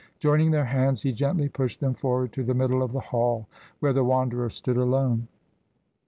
Joining their hands he gently pushed them forward to the middle of the hall where the Wanderer stood alone.